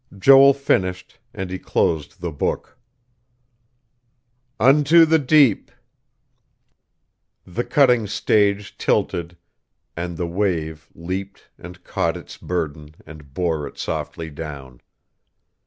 Joel finished, and he closed the Book. "Unto the deep...." The cutting stage tilted, and the wave leaped and caught its burden and bore it softly down....